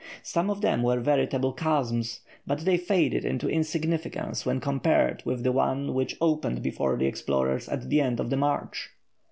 Some of them were veritable chasms, but they faded into insignificance when compared with the one which opened before the explorers at the end of the march.